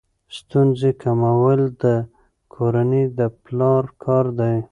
ستونزې کمول د کورنۍ د پلار کار دی.